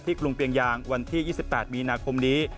กรุงเปียงยางวันที่๒๘มีนาคมนี้